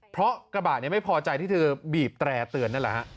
เพราะกระบะไม่พอใจที่เธอบีบแตร่เตือนนั่นแหละฮะ